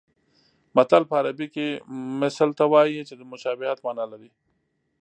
متل په عربي کې مثل ته وایي چې د مشابهت مانا لري